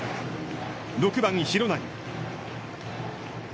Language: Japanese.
６番廣内。